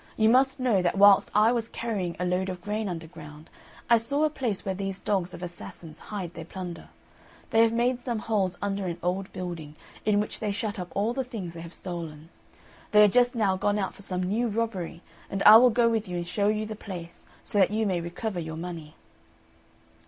You must know, that whilst I was carrying a load of grain underground, I saw a place where these dogs of assassins hide their plunder. They have made some holes under an old building, in which they shut up all the things they have stolen. They are just now gone out for some new robbery, and I will go with you and show you the place, so that you may recover your money."